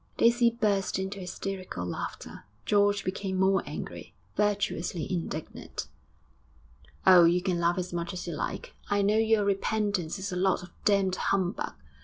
Daisy burst into hysterical laughter. George became more angry virtuously indignant. 'Oh, you can laugh as much as you like! I know your repentance is a lot of damned humbug.